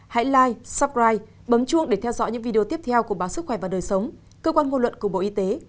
hãy live supride bấm chuông để theo dõi những video tiếp theo của báo sức khỏe và đời sống cơ quan ngôn luận của bộ y tế